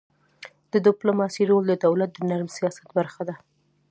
د ډيپلوماسی رول د دولت د نرم سیاست برخه ده.